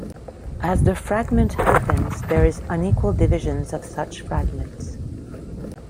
As the fragment happens there is unequal divisions of such fragments.